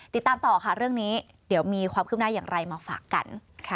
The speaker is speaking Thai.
ติดตามต่อค่ะเรื่องนี้เดี๋ยวมีความคืบหน้าอย่างไรมาฝากกัน